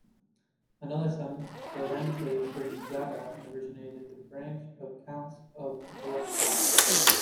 Another son, Ferrante Gonzaga originated the branch of the Counts of Guastalla.